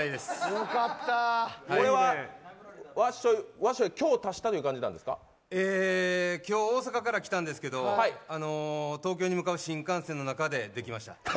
これは今日足したという今日、大阪から来たんですけど東京に向かう新幹線の中で、できました。